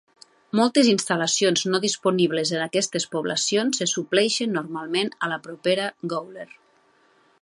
Moltes instal·lacions no disponibles en aquestes poblacions se supleixen normalment a la propera Gawler.